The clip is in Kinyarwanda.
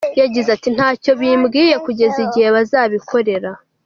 Yagize ati “Ntacyo bimbwiye kugeza igihe bazabikorera.